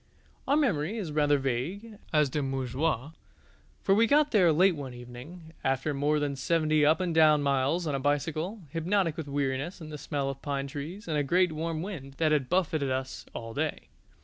Our memory is rather vague as to Montjoie, for we got there late one evening, after more than seventy up and down miles on a bicycle, hypnotic with weariness and the smell of pine trees and a great warm wind that had buffeted us all day.